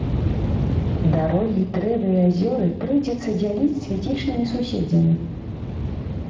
Дарогі, дрэвы і азёры прыйдзецца дзяліць з фізічнымі суседзямі.